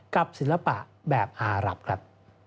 ศิลปะแบบอารับครับ